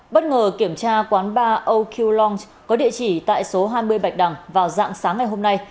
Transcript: bất ngờ kiểm tra quán bar oq lounge có địa chỉ tại số hai mươi bạch đằng vào dạng sáng ngày hôm nay